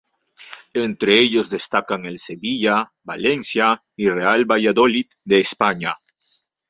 Entre ellos destacan el Sevilla, Valencia y Real Valladolid de España.